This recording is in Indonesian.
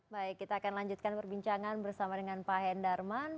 baik kita akan lanjutkan perbincangan bersama dengan pak hendarman